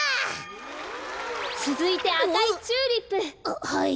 つづいてあかいチューリップ。ははい。